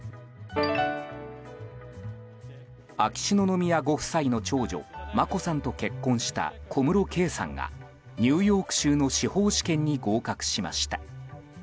秋篠宮ご夫妻の長女・眞子さんと結婚した小室圭さんがニューヨーク州の司法試験に合格しました。